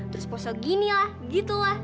terus poso gini lah gitu lah